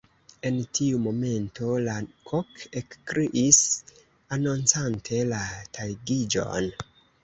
En tiu momento la kok ekkriis, anoncante la tagiĝon.